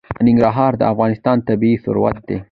ننګرهار د افغانستان طبعي ثروت دی.